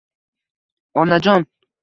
Onajon!